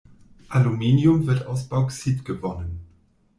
Aluminium wird aus Bauxit gewonnen.